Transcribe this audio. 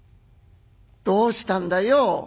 「どうしたんだよ？